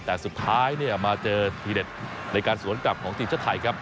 แต่สุดท้ายมาเจอทีเด็ดในการสวนกลับของทีมชาติไทยครับ